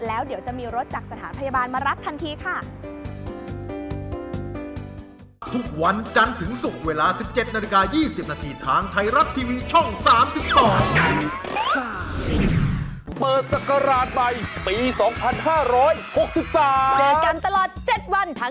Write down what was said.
แล้วเดี๋ยวจะมีรถจากสถานพยาบาลมารับทันทีค่ะ